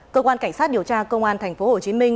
cơ quan cảnh sát điều tra công an thành phố hồ chí minh